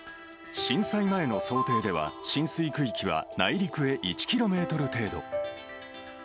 震災前の想定では、浸水区域は内陸へ１キロメートル程度。